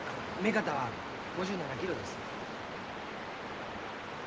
目方は５７キロです。